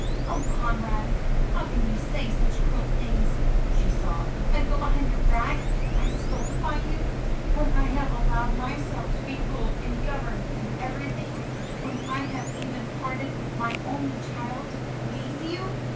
"Oh Conrad! How can you say such cruel things?" she sobbed. "I go behind your back! I stultify you! When I have allowed myself to be ruled and governed in everything! When I have even parted with my only child to please you!"